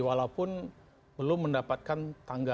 walaupun belum mendapatkan tanggapan